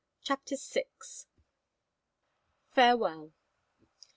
CHAPTER VI. FAREWELL.